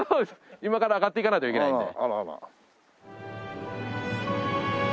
今から上がっていかないといけないんで。